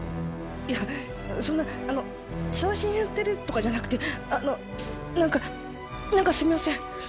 いやそんな調子に乗ってるとかじゃなくてあの何か何かすみません。